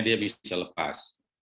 soalnya dia bisa lepas